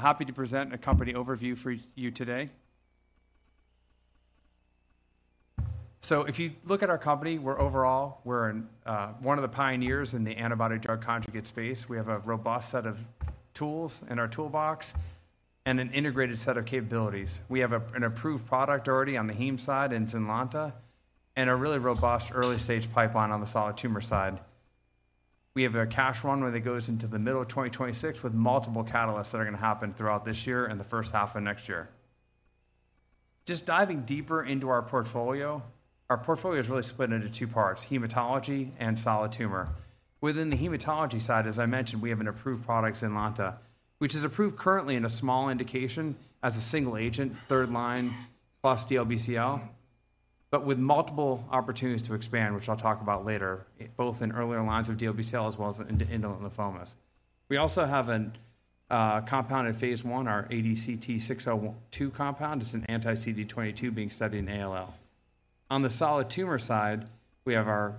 Happy to present a company overview for you today. So if you look at our company, we're overall, we're in, one of the pioneers in the antibody-drug conjugate space. We have a robust set of tools in our toolbox and an integrated set of capabilities. We have an approved product already on the heme side in ZYNLONTA, and a really robust early-stage pipeline on the solid tumor side. We have a cash runway that goes into the middle of 2026, with multiple catalysts that are going to happen throughout this year and the first half of next year. Just diving deeper into our portfolio, our portfolio is really split into two parts: hematology and solid tumor. Within the hematology side, as I mentioned, we have an approved product, ZYNLONTA, which is approved currently in a small indication as a single agent, third line, plus DLBCL, but with multiple opportunities to expand, which I'll talk about later, both in earlier lines of DLBCL as well as in indolent lymphomas. We also have a compound in phase 1, our ADCT-602 compound. It's an anti-CD22 being studied in ALL. On the solid tumor side, we have our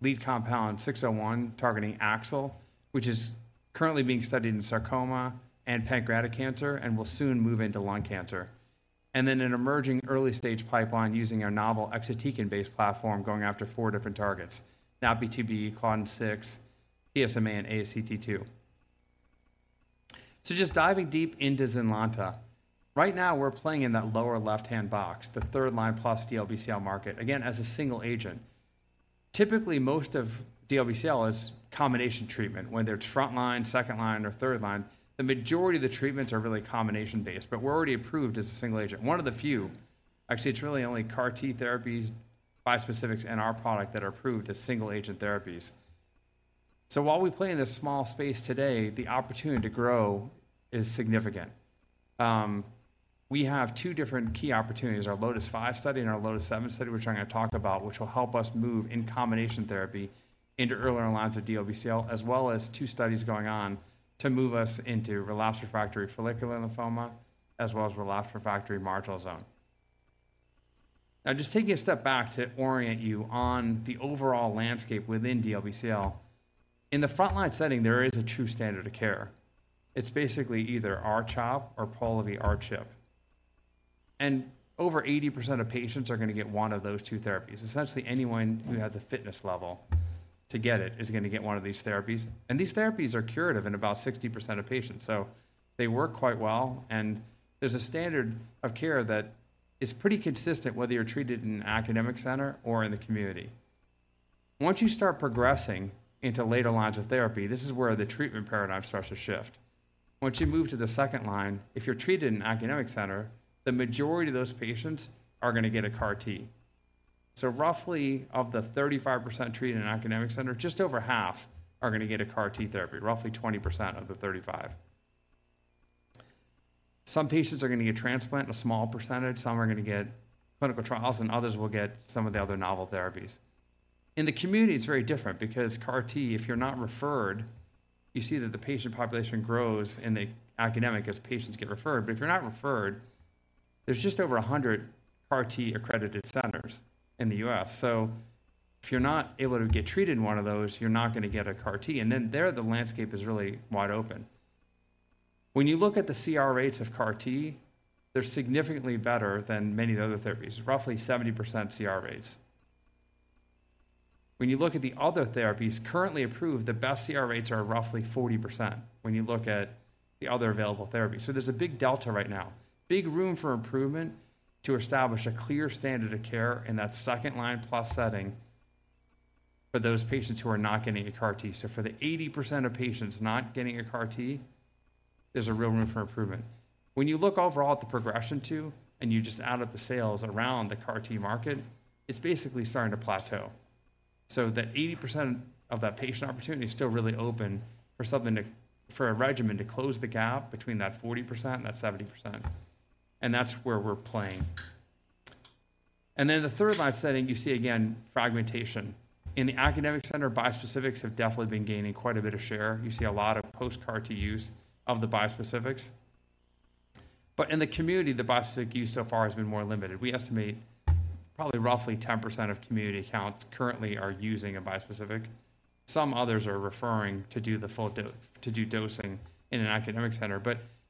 lead compound, 601, targeting AXL, which is currently being studied in sarcoma and pancreatic cancer, and will soon move into lung cancer. And then an emerging early-stage pipeline using our novel exatecan-based platform, going after four different targets, NaPi2b, Claudin-6, PSMA, and ASCT2. So just diving deep into ZYNLONTA. Right now, we're playing in that lower left-hand box, the third-line plus DLBCL market, again, as a single agent. Typically, most of DLBCL is combination treatment, whether it's front line, second line, or third line. The majority of the treatments are really combination-based, but we're already approved as a single agent. One of the few. Actually, it's really only CAR T therapies, bispecific, and our product that are approved as single-agent therapies. So while we play in this small space today, the opportunity to grow is significant. We have two different key opportunities, our LOTIS-5 study and our LOTIS-7 study, which I'm going to talk about, which will help us move in combination therapy into earlier lines of DLBCL, as well as two studies going on to move us into relapsed/refractory follicular lymphoma, as well as relapsed/refractory marginal zone. Now, just taking a step back to orient you on the overall landscape within DLBCL. In the front-line setting, there is a true standard of care. It's basically either R-CHOP or Polivy, R-CHOP. And over 80% of patients are going to get one of those two therapies. Essentially, anyone who has a fitness level to get it is going to get one of these therapies, and these therapies are curative in about 60% of patients, so they work quite well, and there's a standard of care that is pretty consistent, whether you're treated in an academic center or in the community. Once you start progressing into later lines of therapy, this is where the treatment paradigm starts to shift. Once you move to the second line, if you're treated in an academic center, the majority of those patients are going to get a CAR-T. So roughly, of the 35% treated in an academic center, just over half are going to get a CAR T therapy, roughly 20% of the 35%. Some patients are going to get transplant, a small percentage, some are going to get clinical trials, and others will get some of the other novel therapies. In the community, it's very different because CAR T, if you're not referred, you see that the patient population grows in the academic as patients get referred, but if you're not referred, there's just over 100 CAR T-accredited centers in the U.S. So if you're not able to get treated in one of those, you're not going to get a CAR T, and then there, the landscape is really wide open. When you look at the CR rates of CAR T, they're significantly better than many of the other therapies, roughly 70% CR rates. When you look at the other therapies currently approved, the best CR rates are roughly 40% when you look at the other available therapies. So there's a big delta right now, big room for improvement to establish a clear standard of care in that second-line plus setting for those patients who are not getting a CAR T. So for the 80% of patients not getting a CAR T, there's a real room for improvement. When you look overall at the progression, too, and you just add up the sales around the CAR T market, it's basically starting to plateau. So that 80% of that patient opportunity is still really open for something for a regimen to close the gap between that 40% and that 70%, and that's where we're playing. Then in the third-line setting, you see again, fragmentation. In the academic center, bispecific have definitely been gaining quite a bit of share. You see a lot of post-CAR T use of the bispecific. But in the community, the bispecific use so far has been more limited. We estimate probably roughly 10% of community accounts currently are using a bispecific. Some others are referring to do the full dosing in an academic center,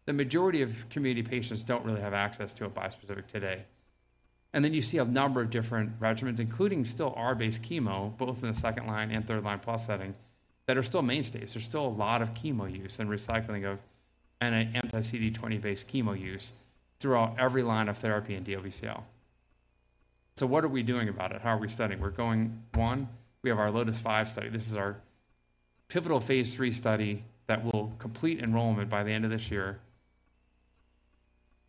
but the majority of community patients don't really have access to a bispecific today. Then you see a number of different regimens, including still R-based chemo, both in the second-line and third-line plus setting, that are still mainstays. There's still a lot of chemo use and recycling of an anti-CD20-based chemo use throughout every line of therapy in DLBCL. So what are we doing about it? How are we studying? We're going, one, we have our LOTIS-5 study. This is our pivotal phase III study that will complete enrollment by the end of this year,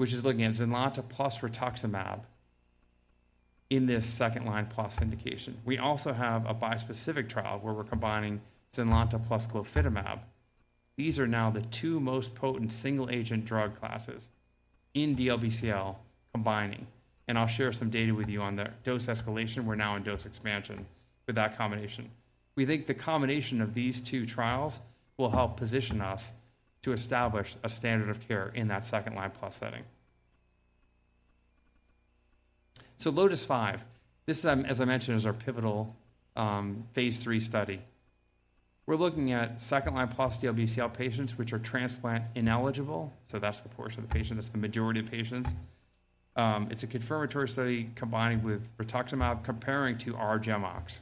which is looking at ZYNLONTA plus rituximab in this second-line plus indication. We also have a bispecific trial where we're combining ZYNLONTA plus glofitamab. These are now the two most potent single-agent drug classes in DLBCL combining, and I'll share some data with you on the dose escalation. We're now in dose expansion with that combination. We think the combination of these two trials will help position us to establish a standard of care in that second-line plus setting.... So LOTIS-5, this, as I mentioned, is our pivotal phase 3 study. We're looking at second-line plus DLBCL patients, which are transplant ineligible, so that's the portion of the patient, that's the majority of patients. It's a confirmatory study combining with rituximab, comparing to R-GemOx.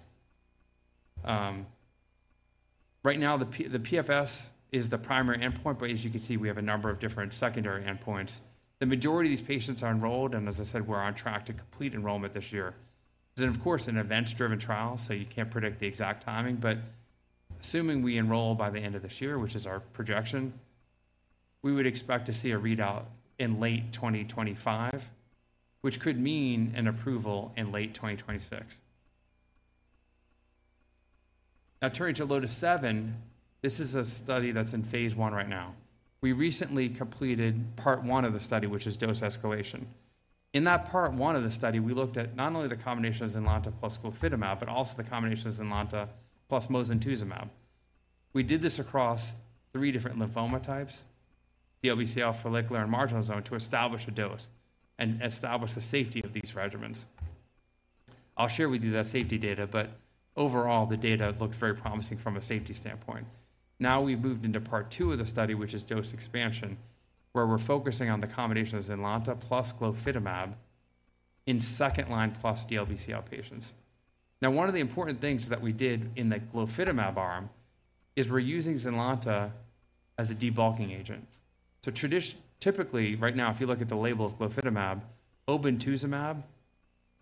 Right now, the PFS is the primary endpoint, but as you can see, we have a number of different secondary endpoints. The majority of these patients are enrolled, and as I said, we're on track to complete enrollment this year. This is, of course, an events-driven trial, so you can't predict the exact timing, but assuming we enroll by the end of this year, which is our projection, we would expect to see a readout in late 2025, which could mean an approval in late 2026. Now, turning to LOTIS-7, this is a study that's in phase 1 right now. We recently completed part 1 of the study, which is dose escalation. In that part 1 of the study, we looked at not only the combination of ZYNLONTA plus glofitamab, but also the combination of ZYNLONTA plus mosunetuzumab. We did this across three different lymphoma types, DLBCL, follicular, and marginal zone, to establish a dose and establish the safety of these regimens. I'll share with you that safety data, but overall, the data looked very promising from a safety standpoint. Now, we've moved into part two of the study, which is dose expansion, where we're focusing on the combination of ZYNLONTA plus glofitamab in second-line plus DLBCL patients. Now, one of the important things that we did in the glofitamab arm is we're using ZYNLONTA as a debulking agent. So typically, right now, if you look at the label of glofitamab, obinutuzumab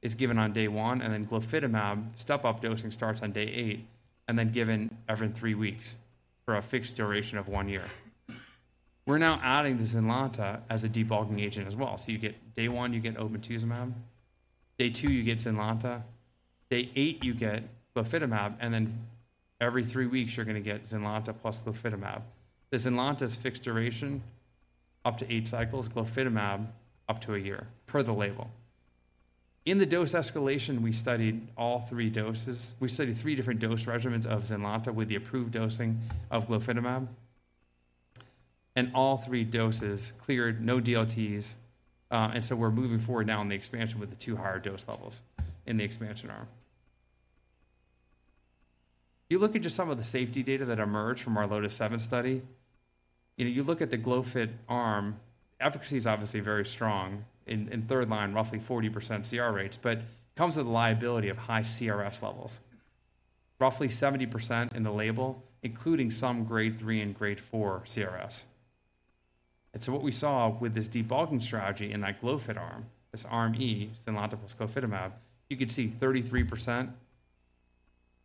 is given on day one, and then glofitamab, step-up dosing starts on day eight and then given every three weeks for a fixed duration of one year. We're now adding the ZYNLONTA as a debulking agent as well. So you get, day one, you get obinutuzumab, day two, you get ZYNLONTA, day eight, you get glofitamab, and then every three weeks you're going to get ZYNLONTA plus glofitamab. The ZYNLONTA's fixed duration, up to eight cycles, glofitamab, up to a year, per the label. In the dose escalation, we studied all three doses. We studied three different dose regimens of ZYNLONTA with the approved dosing of glofitamab, and all three doses cleared, no DLTs, and so we're moving forward now on the expansion with the two higher dose levels in the expansion arm. You look at just some of the safety data that emerged from our LOTIS-7 study. You know, you look at the glofitamab arm, efficacy is obviously very strong. In third line, roughly 40% CR rates, but comes with a liability of high CRS levels. Roughly 70% in the label, including some Grade 3 and Grade 4 CRS. And so what we saw with this debulking strategy in that glofitamab arm, this arm E, ZYNLONTA plus glofitamab, you could see 33%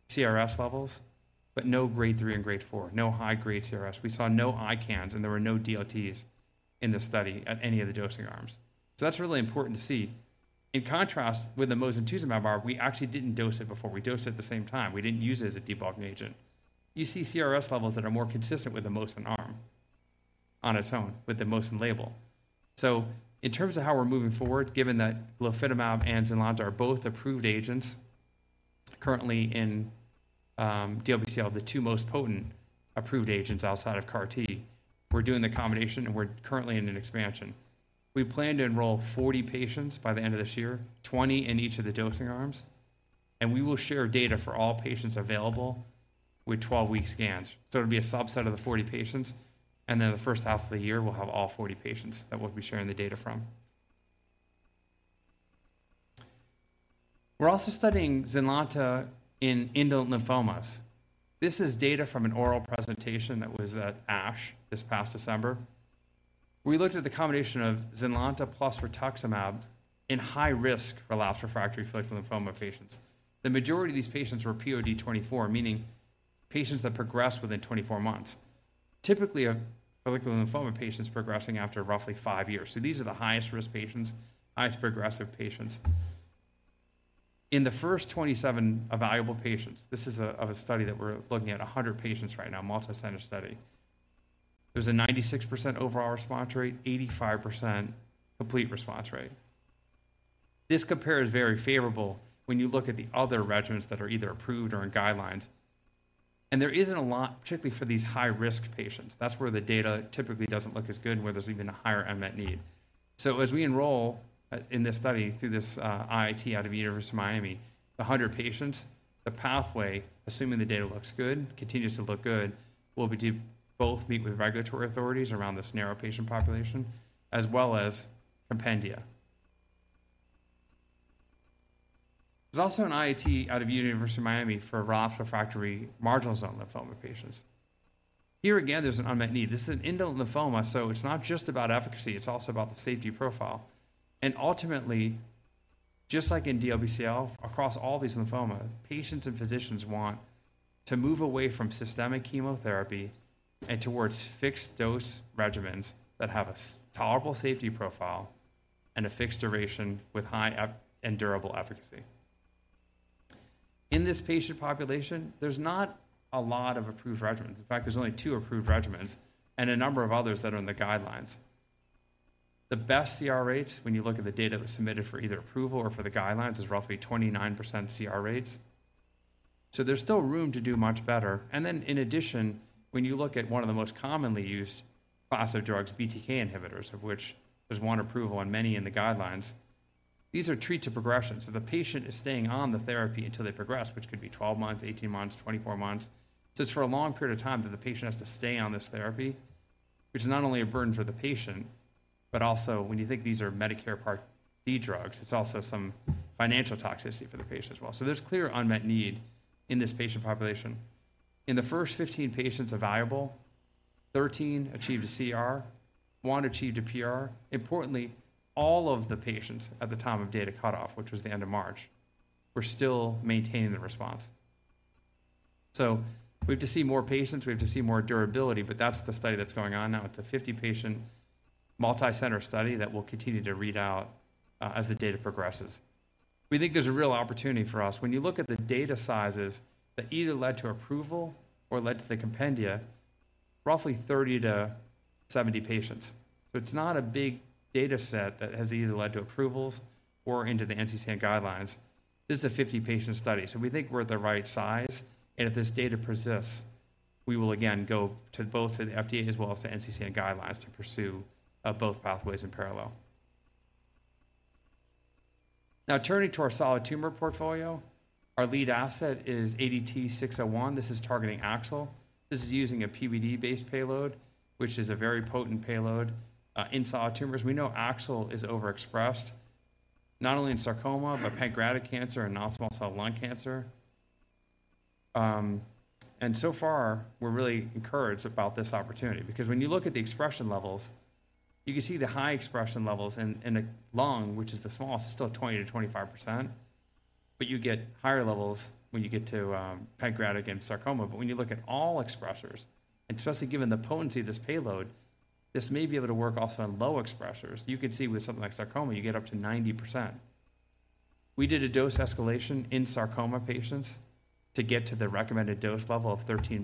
CRS levels, but no Grade 3 and Grade 4, no high-grade CRS. We saw no ICANS, and there were no DLTs in the study at any of the dosing arms. So that's really important to see. In contrast with the mosunetuzumab arm, we actually didn't dose it before. We dosed at the same time. We didn't use it as a debulking agent. You see CRS levels that are more consistent with the mosun arm on its own, with the mosun label. So in terms of how we're moving forward, given that glofitamab and ZYNLONTA are both approved agents currently in, DLBCL, the two most potent approved agents outside of CAR T, we're doing the combination, and we're currently in an expansion. We plan to enroll 40 patients by the end of this year, 20 in each of the dosing arms, and we will share data for all patients available with 12-week scans. So it'll be a subset of the 40 patients, and then the first half of the year, we'll have all 40 patients that we'll be sharing the data from. We're also studying ZYNLONTA in indolent lymphomas. This is data from an oral presentation that was at ASH this past December. We looked at the combination of ZYNLONTA plus rituximab in high-risk relapse/refractory lymphoma patients. The majority of these patients were POD24, meaning patients that progress within 24 months. Typically, a follicular lymphoma patient is progressing after roughly five years. So these are the highest-risk patients, highest progressive patients. In the first 27 evaluable patients, this is a study that we're looking at 100 patients right now, multicenter study, there's a 96% overall response rate, 85% complete response rate. This compares very favorable when you look at the other regimens that are either approved or in guidelines, and there isn't a lot, particularly for these high-risk patients. That's where the data typically doesn't look as good, where there's even a higher unmet need. So as we enroll in this study through this IIT out of University of Miami, 100 patients, the pathway, assuming the data looks good, continues to look good, will be to both meet with regulatory authorities around this narrow patient population, as well as compendia. There's also an IIT out of University of Miami for relapsed/refractory marginal zone lymphoma patients. Here again, there's an unmet need. This is an indolent lymphoma, so it's not just about efficacy, it's also about the safety profile. Ultimately, just like in DLBCL, across all these lymphoma, patients and physicians want to move away from systemic chemotherapy and towards fixed-dose regimens that have a tolerable safety profile and a fixed duration with high efficacy and durable efficacy. In this patient population, there's not a lot of approved regimens. In fact, there's only two approved regimens and a number of others that are in the guidelines. The best CR rates, when you look at the data that was submitted for either approval or for the guidelines, is roughly 29% CR rates... So there's still room to do much better. And then in addition, when you look at one of the most commonly used class of drugs, BTK inhibitors, of which there's one approval and many in the guidelines, these are treat to progression. So the patient is staying on the therapy until they progress, which could be 12 months, 18 months, 24 months. So it's for a long period of time that the patient has to stay on this therapy, which is not only a burden for the patient, but also when you think these are Medicare Part D drugs, it's also some financial toxicity for the patient as well. So there's clear unmet need in this patient population. In the first 15 patients of evaluable, 13 achieved a CR, one achieved a PR. Importantly, all of the patients at the time of data cutoff, which was the end of March, were still maintaining the response. So we have to see more patients, we have to see more durability, but that's the study that's going on now. It's a 50-patient, multicenter study that we'll continue to read out as the data progresses. We think there's a real opportunity for us. When you look at the data sizes that either led to approval or led to the compendia, roughly 30-70 patients. So it's not a big data set that has either led to approvals or into the NCCN guidelines. This is a 50-patient study, so we think we're the right size, and if this data persists, we will again go to both to the FDA as well as to NCCN guidelines to pursue both pathways in parallel. Now, turning to our solid tumor portfolio, our lead asset is ADCT-601. This is targeting AXL. This is using a PBD-based payload, which is a very potent payload in solid tumors. We know AXL is overexpressed not only in sarcoma, but pancreatic cancer and non-small cell lung cancer. And so far, we're really encouraged about this opportunity because when you look at the expression levels, you can see the high expression levels in the lung, which is the smallest, it's still 20-25%, but you get higher levels when you get to pancreatic and sarcoma. But when you look at all expressers, and especially given the potency of this payload, this may be able to work also in low expressers. You can see with something like sarcoma, you get up to 90%. We did a dose escalation in sarcoma patients to get to the recommended dose level of 13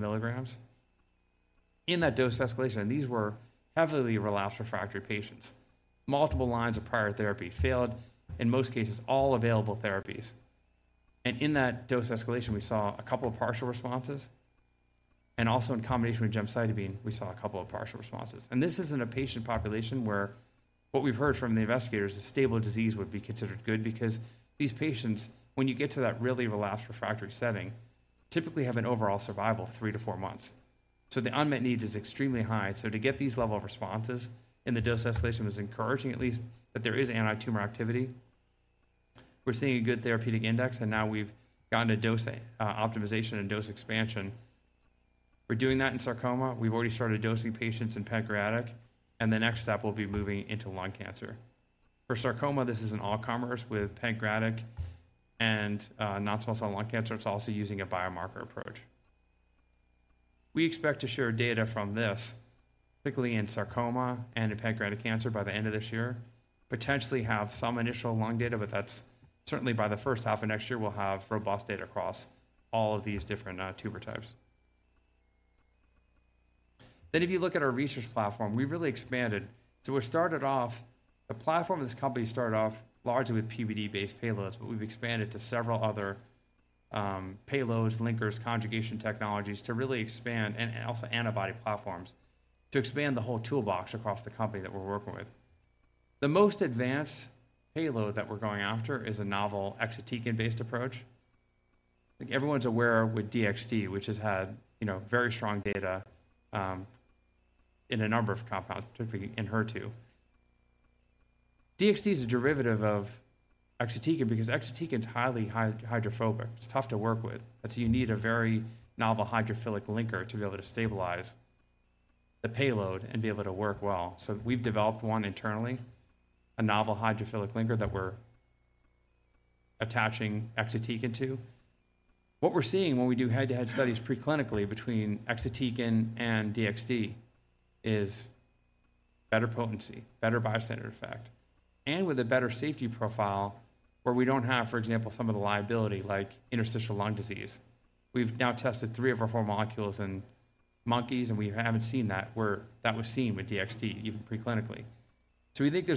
mg.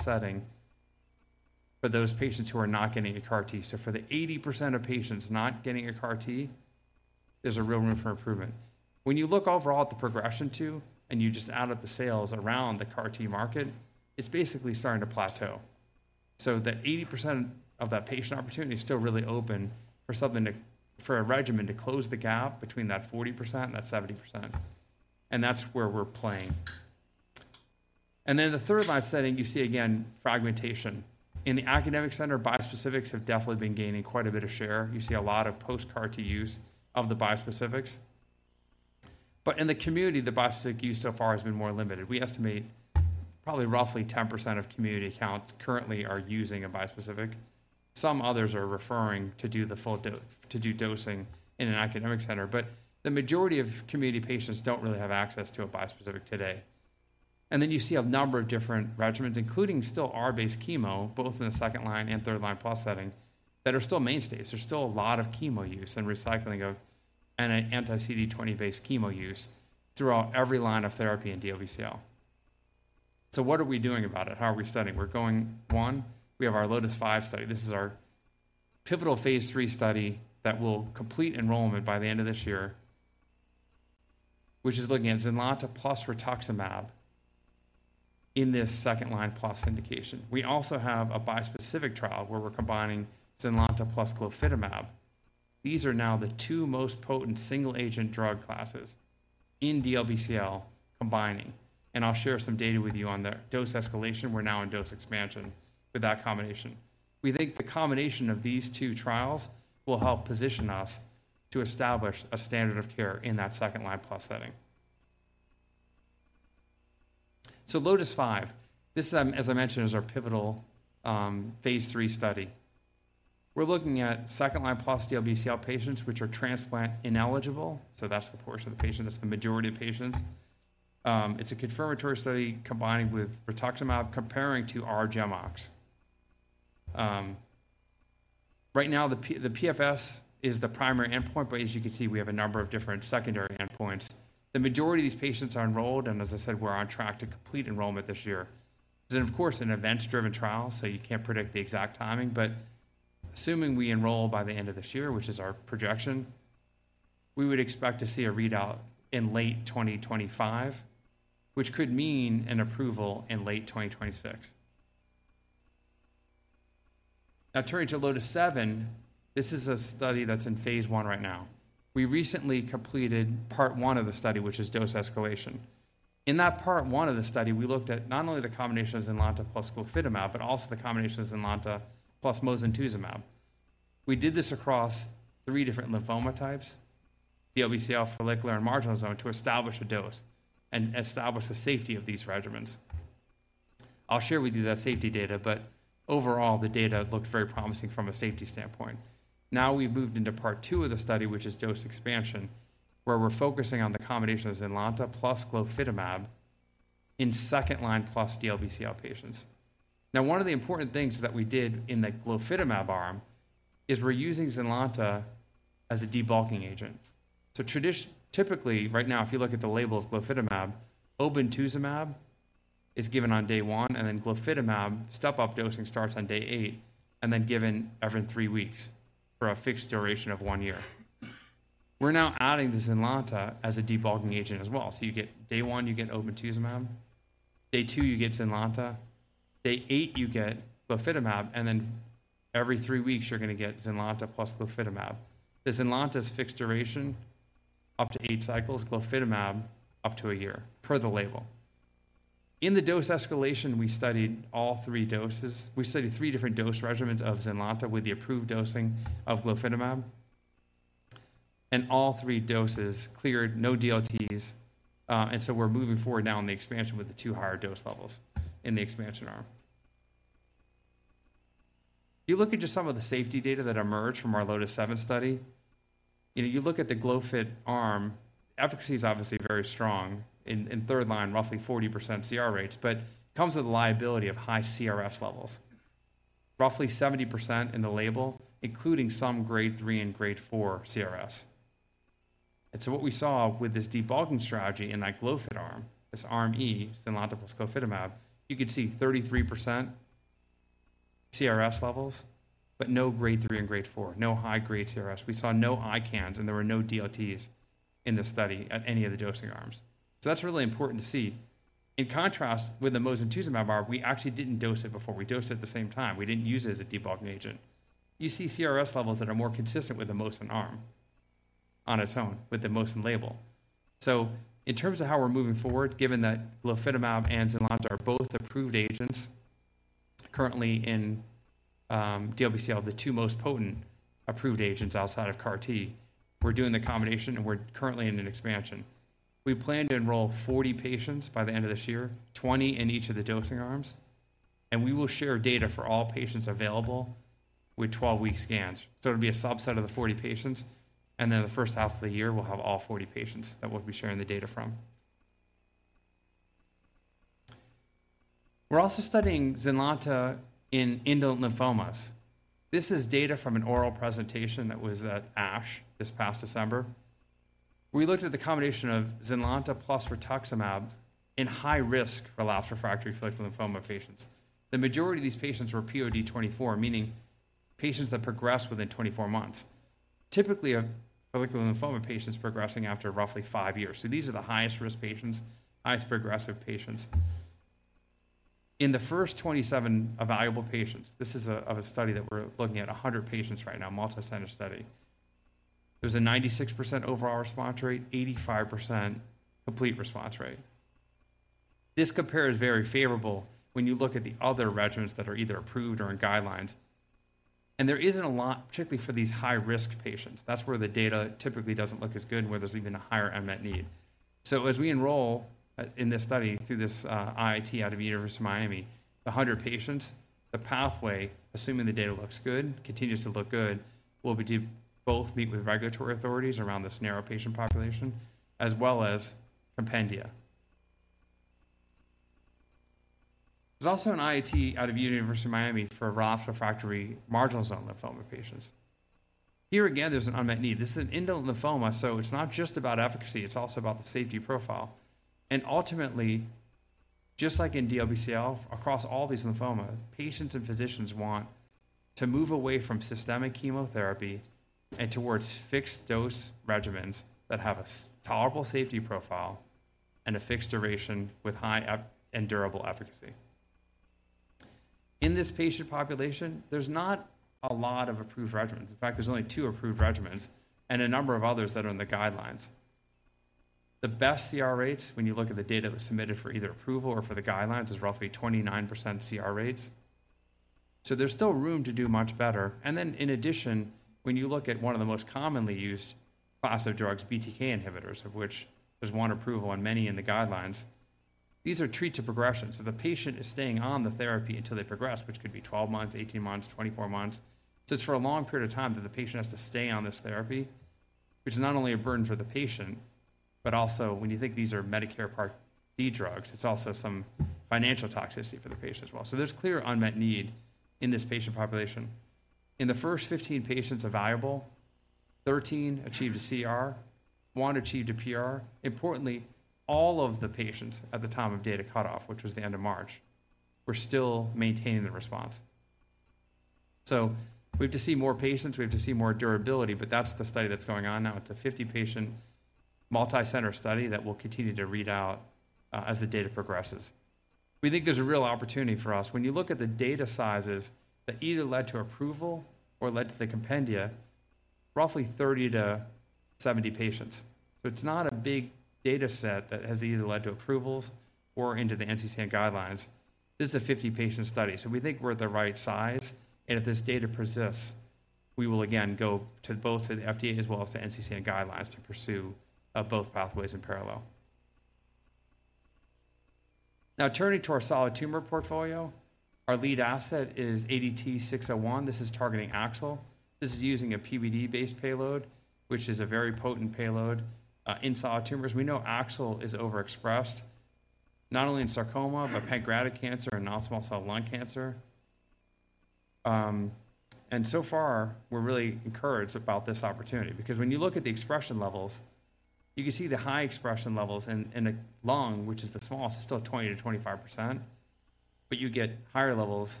In that dose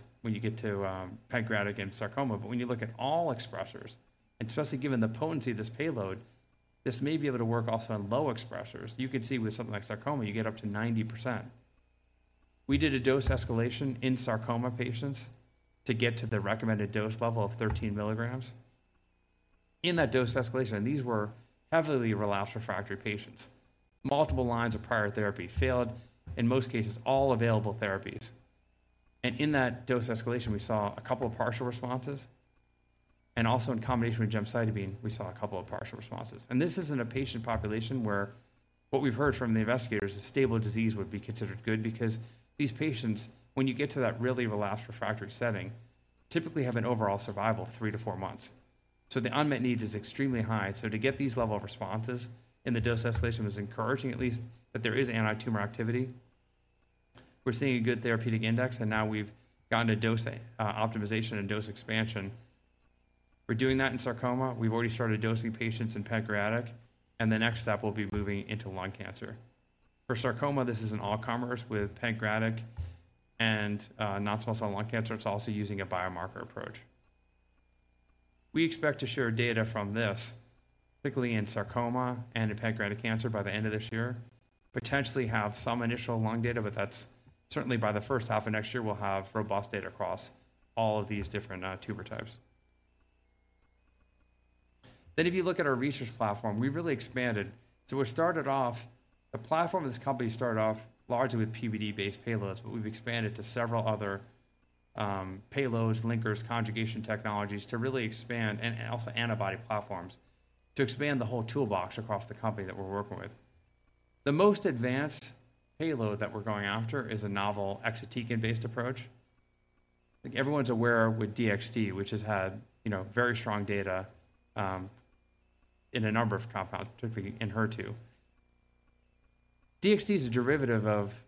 escalation, and these were heavily relapsed refractory patients. Multiple lines of prior therapy failed, in most cases, all available therapies. And in that dose escalation, we saw a couple of partial responses, and also in combination with gemcitabine, we saw a couple of partial responses. And this is in a patient population where what we've heard from the investigators is stable disease would be considered good because these patients, when you get to that really relapsed refractory setting, typically have an overall survival of three to four months. So the unmet need is extremely high. So to get these level of responses in the dose escalation was encouraging, at least, that there is anti-tumor activity. We're seeing a good therapeutic index, and now we've gotten to dose optimization and dose expansion. We're doing that in sarcoma. We've already started dosing patients in pancreatic, and the next step will be moving into lung cancer. For sarcoma, this is an all-comers with pancreatic and non-small cell lung cancer. It's also using a biomarker approach. We expect to share data from this, quickly in sarcoma and in pancreatic cancer by the end of this year. Potentially have some initial lung data, but that's certainly by the first half of next year, we'll have robust data across all of these different tumor types. Then if you look at our research platform, we've really expanded. So we started off the platform of this company started off largely with PBD-based payloads, but we've expanded to several other payloads, linkers, conjugation technologies to really expand, and also antibody platforms, to expand the whole toolbox across the company that we're working with. The most advanced payload that we're going after is a novel exatecan-based approach. I think everyone's aware with DXD, which has had, you know, very strong data in a number of compounds, particularly in HER2. DXD is a derivative of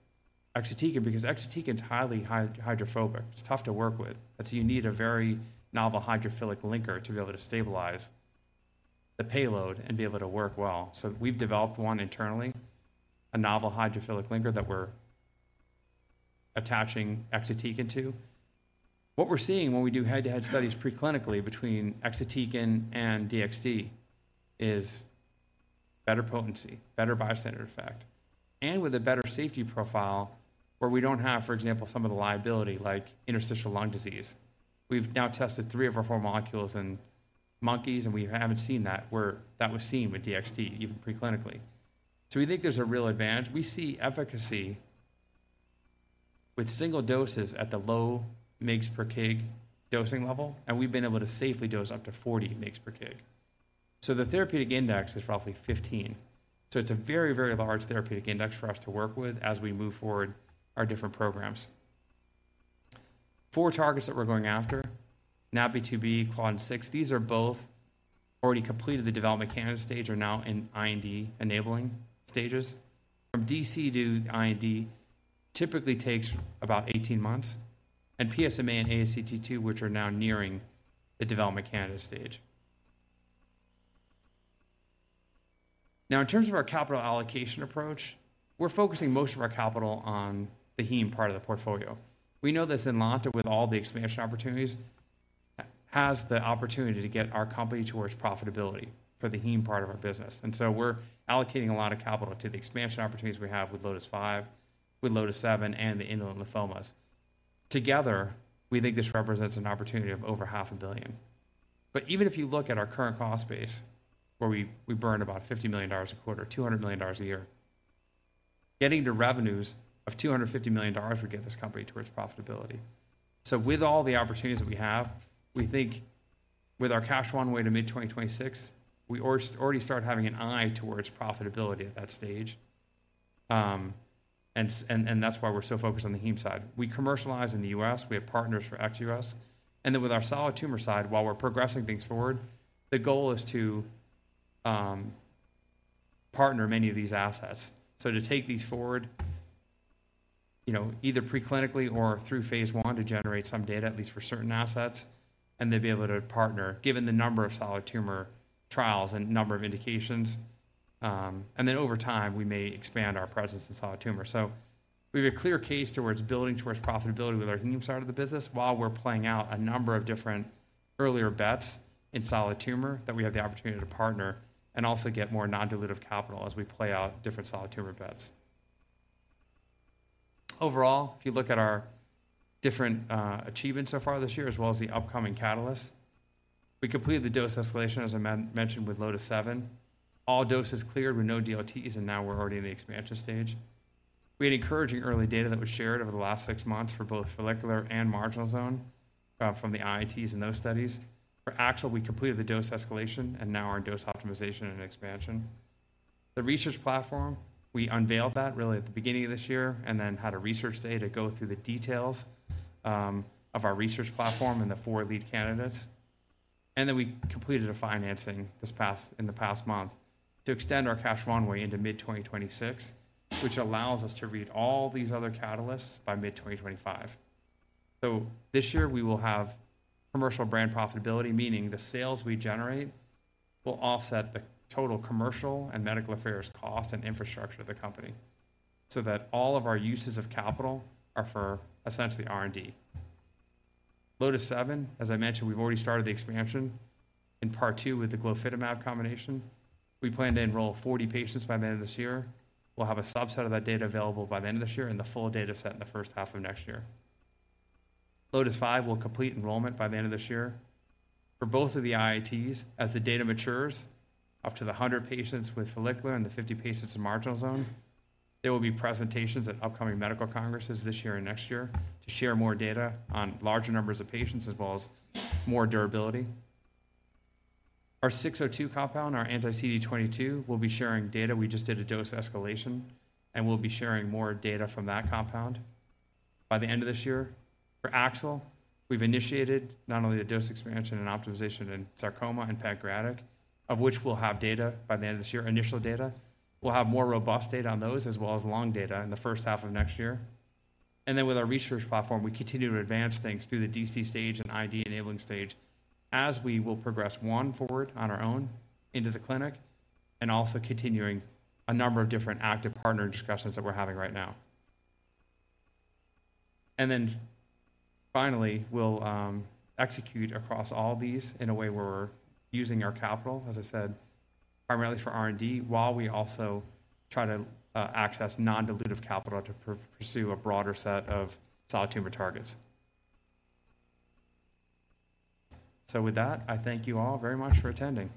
exatecan because exatecan is highly hydrophobic. It's tough to work with, and so you need a very novel hydrophilic linker to be able to stabilize the payload and be able to work well. So we've developed one internally, a novel hydrophilic linker that we're attaching exatecan to. What we're seeing when we do head-to-head studies preclinically between exatecan and DXD is better potency, better bystander effect, and with a better safety profile where we don't have, for example, some of the liability, like interstitial lung disease. We've now tested three of our four molecules in monkeys, and we haven't seen that, where that was seen with DXD, even preclinically. So we think there's a real advantage. We see efficacy with single doses at the low mgs per kg dosing level, and we've been able to safely dose up to 40 mgs per kg. So the therapeutic index is roughly 15. So it's a very, very large therapeutic index for us to work with as we move forward our different programs. 4 targets that we're going after, NaPi2b, CLDN6, these are both already completed the Development Candidate stage, are now in IND-enabling stages. From DC to IND typically takes about 18 months, and PSMA and ASCT2, which are now nearing the Development Candidate stage. Now, in terms of our capital allocation approach, we're focusing most of our capital on the Heme part of the portfolio. We know this ZYNLONTA, with all the expansion opportunities, has the opportunity to get our company towards profitability for the Heme part of our business. And so we're allocating a lot of capital to the expansion opportunities we have with LOTIS-5, with LOTIS-7, and the indolent lymphomas. Together, we think this represents an opportunity of over $500 million. But even if you look at our current cost base, where we burn about $50 million a quarter, $200 million a year—getting to revenues of $250 million would get this company towards profitability. So with all the opportunities that we have, we think with our cash runway to mid-2026, we already start having an eye towards profitability at that stage. That's why we're so focused on the heme side. We commercialize in the US, we have partners for ex-US, and then with our solid tumor side, while we're progressing things forward, the goal is to partner many of these assets. So to take these forward, you know, either preclinically or through phase 1 to generate some data, at least for certain assets, and then be able to partner, given the number of solid tumor trials and number of indications. And then over time, we may expand our presence in solid tumor. So we have a clear case towards building towards profitability with our heme side of the business, while we're playing out a number of different earlier bets in solid tumor that we have the opportunity to partner and also get more non-dilutive capital as we play out different solid tumor bets. Overall, if you look at our different achievements so far this year, as well as the upcoming catalysts, we completed the dose escalation, as I mentioned, with LOTIS-7. All doses cleared with no DLTs, and now we're already in the expansion stage. We had encouraging early data that was shared over the last 6 months for both follicular and marginal zone from the IITs in those studies. For AXL, we completed the dose escalation, and now our dose optimization and expansion. The research platform, we unveiled that really at the beginning of this year and then had a research day to go through the details of our research platform and the 4 lead candidates. And then we completed a financing in the past month to extend our cash runway into mid-2026, which allows us to read all these other catalysts by mid-2025. So this year, we will have commercial brand profitability, meaning the sales we generate will offset the total commercial and medical affairs cost and infrastructure of the company, so that all of our uses of capital are for essentially R&D. LOTIS-7, as I mentioned, we've already started the expansion in part two with the glofitamab combination. We plan to enroll 40 patients by the end of this year. We'll have a subset of that data available by the end of this year and the full data set in the first half of next year. LOTIS-5 will complete enrollment by the end of this year. For both of the IITs, as the data matures, up to the 100 patients with follicular and the 50 patients in marginal zone, there will be presentations at upcoming medical congresses this year and next year And then with our research platform, we continue to advance things through the DC stage and IND enabling stage, as we will progress one forward on our own into the clinic, and also continuing a number of different active partner discussions that we're having right now. And then finally, we'll execute across all these in a way where we're using our capital, as I said, primarily for R&D, while we also try to access non-dilutive capital to pursue a broader set of solid tumor targets. So with that, I thank you all very much for attending.